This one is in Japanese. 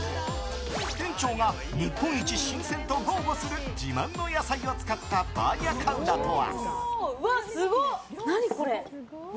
店長が、日本一新鮮と豪語する自慢の野菜を使ったバーニャカウダとは。